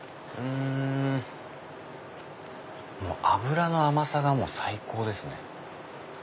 脂の甘さがもう最高ですね。